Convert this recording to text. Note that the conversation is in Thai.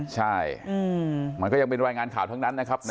ใช่มันก็ยังเป็นรายงานข่าวทั้งนั้นนะครับ